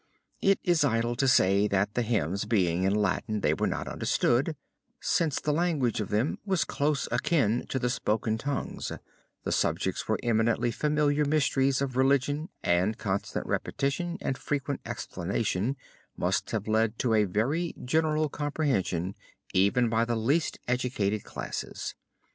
It is idle to say that the hymns being in Latin they were not understood, since the language of them was close akin to the spoken tongues, the subjects were eminently familiar mysteries of religion and constant repetition and frequent explanation must have led to a very general comprehension even by the least educated classes.